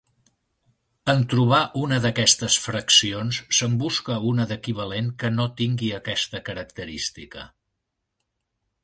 En trobar una d'aquestes fraccions, se'n busca una d'equivalent que no tingui aquesta característica.